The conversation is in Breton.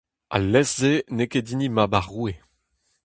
Al lestr-se n'eo ket hini mab ar roue.